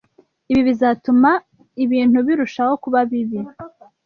Ibi bizatuma ibintu birushaho kuba bibi.